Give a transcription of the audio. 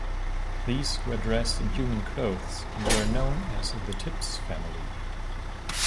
These were dressed in human clothes and were known as the 'Tipps family'.